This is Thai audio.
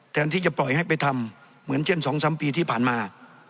เราทำเหมือนเช่น๒๓ปีที่ผ่านมา